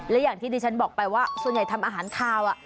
และอย่างที่ดิฉันบอกไปว่าส่วนใหญ่ทำอาหารคาว